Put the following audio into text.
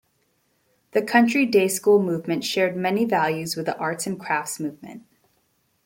The Country Day School movement shared many values with the Arts and Crafts movement.